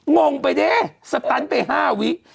งงไปดิสตันไป๕วิก